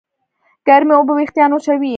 ګرمې اوبه وېښتيان وچوي.